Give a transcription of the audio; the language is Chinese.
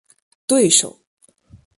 对手